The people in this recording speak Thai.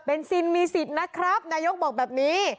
เป็นซินมีสิทธิ์นะครับนายกบอกแบบนี้